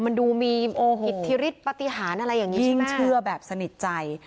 มันดูมีอิทธิฤทธิปฏิหารอะไรอย่างนี้ยิ่งเชื่อแบบสนิทใจ